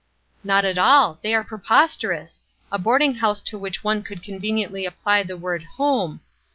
"Not at all! They are preposterous! A boarding house to which one could conveniently apply the word '_home!